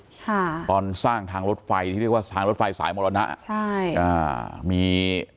ค่ะตอนสร้างทางรถไฟที่เรียกว่าทางรถไฟสายมรณะใช่อ่ามี